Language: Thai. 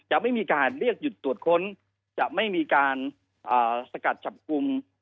ไม่มีการเรียกหยุดตรวจค้นจะไม่มีการสกัดจับกลุ่ม